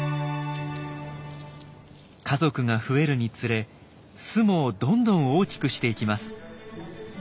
家族が増えるにつれ巣もどんどん大きくしていきます。